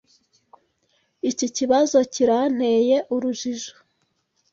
Iki kibazo kiranteye urujijo.